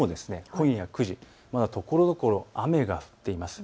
今夜９時、まだところどころ雨が降っています。